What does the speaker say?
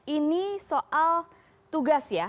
ini soal tugas ya